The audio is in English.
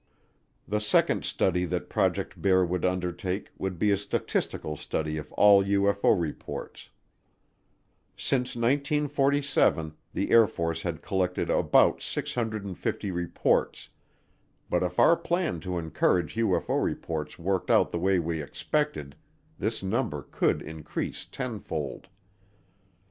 The second study that Project Bear would undertake would be a statistical study of all UFO reports. Since 1947 the Air Force had collected about 650 reports, but if our plan to encourage UFO reports worked out the way we expected this number could increase tenfold.